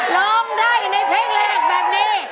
ร้องได้ในเพลงแรกแบบนี้